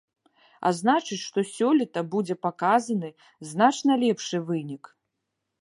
А значыць, што сёлета будзе паказаны значна лепшы вынік.